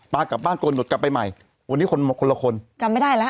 ปลากลับบ้านไปกดไปใหม่วันนี้คนคนละคนจำไม่ได้แล้ว